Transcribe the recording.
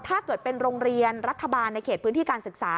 ถ้าเกิดเป็นโรงเรียนรัฐบาลในเขตพื้นที่การศึกษา